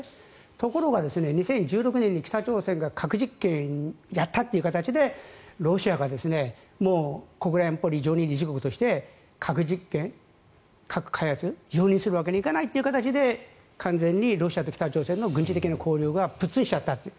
ところが、２０１６年に北朝鮮が核実験をやったという形でロシアが国連安保理常任理事国として核実験、核開発を容認するわけにはいかないということで完全にロシアと北朝鮮の軍事的な交流がぷっつんしちゃったという。